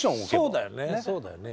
そうだよねそうだよね。